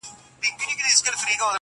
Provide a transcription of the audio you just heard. o مور په ژړا سي خو عمل بدلولای نه سي,